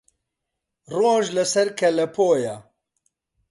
ڕۆژ لە سەر کەلەپۆیە